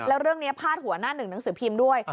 แล้วเรื่องนี้พาดหัวหน้าหนึ่งหนังสือพิมพ์ด้วย